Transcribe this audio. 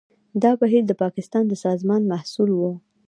دا بهیر د پاکستان د سازمان محصول و.